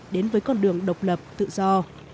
đến với con đường độc lập tự do